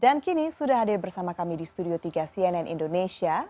dan kini sudah hadir bersama kami di studio tiga cnn indonesia